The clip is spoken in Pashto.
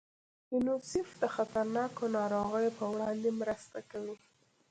یونیسف د خطرناکو ناروغیو په وړاندې مرسته کوي.